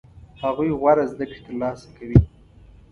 هغوی غوره زده کړې ترلاسه کوي.